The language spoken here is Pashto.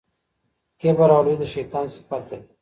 کبر او لويي د شيطان صفت دی.